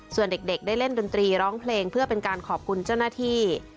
ส่วนเด็กได้เล่นดนตรีร้องเพลงเพื่อเป็นการขอบคุณเจ้าหน้าที่